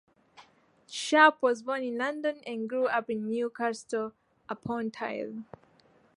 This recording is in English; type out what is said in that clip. Sharp was born in London and grew up in Newcastle upon Tyne.